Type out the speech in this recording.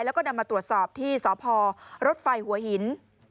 แล้วก็นำมาตรวจสอบที่สพรถไฟหัวหิน